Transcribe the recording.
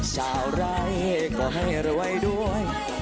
ไร้ก็ให้รวยด้วย